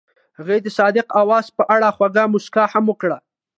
هغې د صادق اواز په اړه خوږه موسکا هم وکړه.